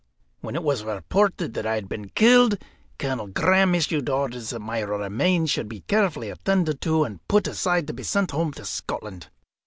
When it was reported that I had been killed, Colonel Graham issued orders that my remains should be carefully attended to and put aside to be sent home to Scotland."